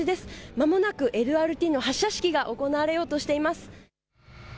まもなくＬＲＴの発車式が行われようとしています。